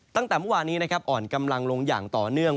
ตั้งแต่เมื่อวานนี้นะครับอ่อนกำลังลงอย่างต่อเนื่อง